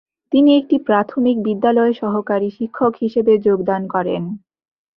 তিনি একটি প্রাথমিক বিদ্যালয়ে সহকারী শিক্ষক হিসেবে যোগদান করেন।